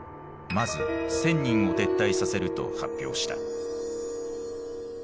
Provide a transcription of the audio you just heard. まず１，０００人を撤退させると発表した。